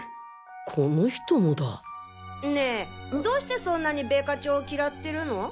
この人もだねえどうしてそんなに米花町を嫌ってるの？